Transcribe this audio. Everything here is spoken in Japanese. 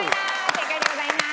正解でございます。